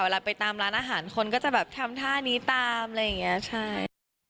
เวลาไปตามร้านอาหารคนก็จะแบบทำท่านี้ตามอะไรอย่างนี้ใช่